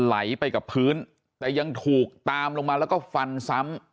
ไหลไปกับพื้นแต่ยังถูกตามลงมาแล้วก็ฟันซ้ำ